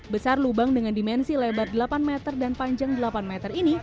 besar lubang dengan dimensi lebar delapan meter dan panjang delapan meter ini